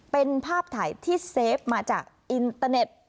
เป็นภาพถ่ายที่เซฟมาจากอินเตอร์เน็ต